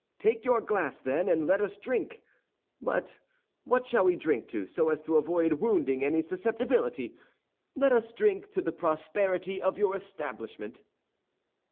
Take your glass, then, and let us drink. But what shall we drink to, so as to avoid wounding any susceptibility? Let us drink to the prosperity of your establishment."